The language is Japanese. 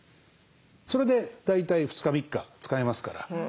それで大体２日３日使えますから。